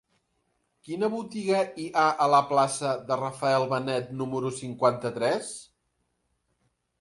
Quina botiga hi ha a la plaça de Rafael Benet número cinquanta-tres?